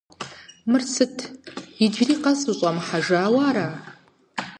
Мыр сыт, иджыри къэс ущӀэмыхьэжауэ ара?